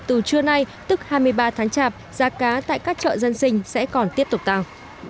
từ trưa nay tức hai mươi ba tháng chạp giá cá tại các chợ dân sinh sẽ còn tiếp tục tăng